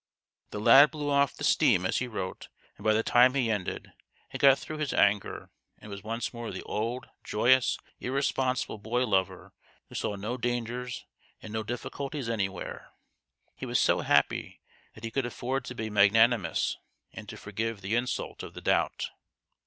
The lad blew off the steam as he wrote, and by the time he ended had got through his anger, and was once more the old, joyous, irresponsible boy lover who saw no dangers and no difficulties anywhere. He was so happy that he could afford to be magnanimous and to forgive the insult of the doubt.